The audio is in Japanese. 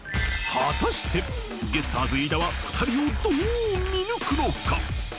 ［果たしてゲッターズ飯田は２人をどう見抜くのか？］